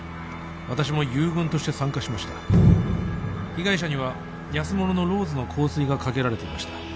私も遊軍として参加しました被害者には安物のローズの香水がかけられていました